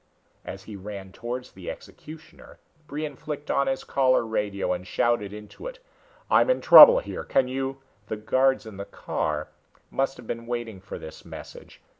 As he ran towards the executioner, Brion flicked on his collar radio and shouted into it. "I'm in trouble here. Can you " The guards in the car must have been waiting for this message.